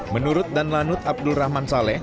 menurut dan lanut abdul rahman saleh